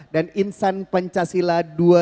dan insan pancasila dua ribu dua puluh tiga